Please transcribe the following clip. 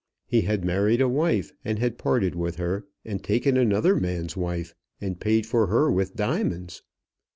He had married a wife, and had parted with her, and taken another man's wife, and paid for her with diamonds.